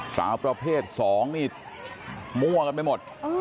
สาวประเภท๒นี่มั่วกันไปหมด